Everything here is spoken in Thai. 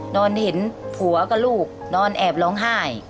นอนเห็นผัวกับลูกนอนแอบร้องไห้